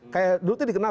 kayak dulu itu dikenal